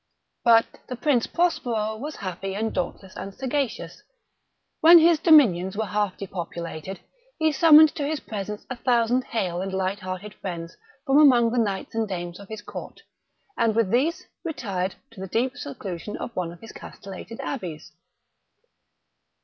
But the Prince Prospero was happy and dauntless and sagacious. When his dominions were half depopulated, he summoned to his presence a thousand hale and light hearted friends from among the knights and dames of his court, and with these retired to the deep seclusion of one of his castellated abbeys.